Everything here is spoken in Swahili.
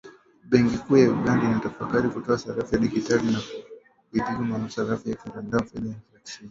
Benki kuu ya Uganda inatafakari kutoa sarafu ya kidigitali, na haijapiga marufuku sarafu ya kimtandao “fedha za siri."